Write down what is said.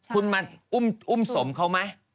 คุณมาอุ้มสมเขาไหม